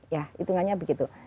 ya hitungannya begitu